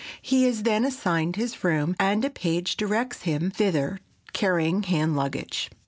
He is then assigned to his room, and a page directs him thither, carrying hand luggage.